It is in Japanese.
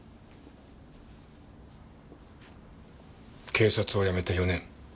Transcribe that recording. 警察を辞めて４年。